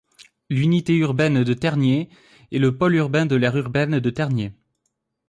L'unité urbaine de Tergnier est le pôle urbain de l'aire urbaine de Tergnier.